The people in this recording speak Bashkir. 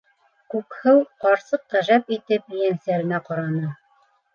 - Күкһыу ҡарсыҡ ғәжәп итеп ейәнсәренә ҡараны.